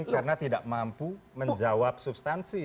karena tidak mampu menjawab substansi